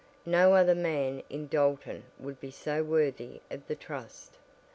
No other man in Dalton would be so worthy of the trust.